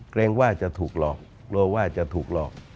เกรงว่าจะถูกหลอกกลัวว่าจะถูกหลอก